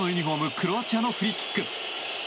クロアチアのフリーキック。